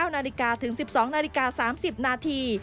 นาฬิกาถึง๑๒นาฬิกา๓๐นาที